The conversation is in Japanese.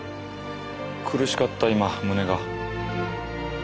苦しかった今胸が。